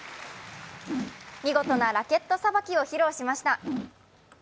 見事なラケットさばきを披露しました。